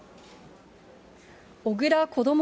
小倉こども